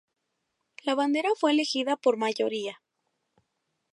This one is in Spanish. La bandera fue elegida por mayoría.